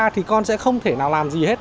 thì con sẽ không thể nào làm gì hết